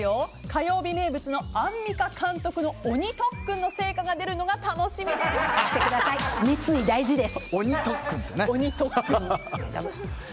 火曜日名物のアンミカ監督の鬼特訓の成果が出るのが鬼特訓ですね。